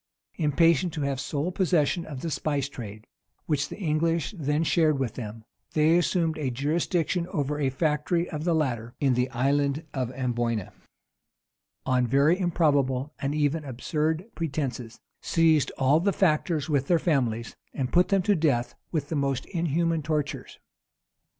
Impatient to have the sole possession of the spice trade, which the English then shared with them, they assumed a jurisdiction over a factory of the latter in the Island of Amboyna; and on very improbable, and even absurd pretences, seized all the factors with their families, and put them to death with the most inhuman tortures.